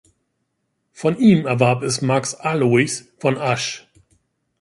Von ihm erwarb es Max Alois von Asch.